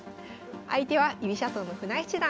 相手は居飛車党の船江七段。